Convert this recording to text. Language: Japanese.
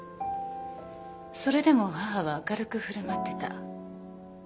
それでも母は明るく振る舞ってた。